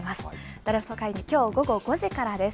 ドラフト会議、きょう午後５時からです。